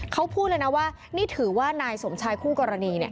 เขาพูดเลยนะว่านี่ถือว่านายสมชายคู่กรณีเนี่ย